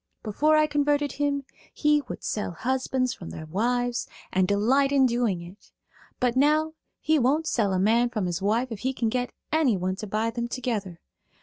Before I converted him he would sell husbands from their wives and delight in doing it; but now he won't sell a man from his wife if he can get anyone to buy them together.